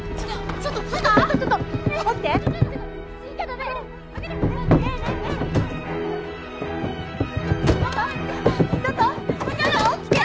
ちょっと起きて！